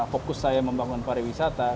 fokus saya membangun pariwisata